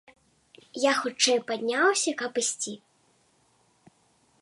Я хутчэй падняўся, каб ісці.